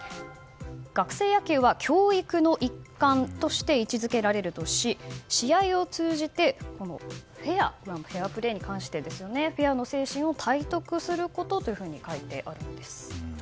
学生野球は教育の一環として位置づけられるとし試合を通じてフェアプレーに関してですよねフェアの精神を体得することと書いてあるんです。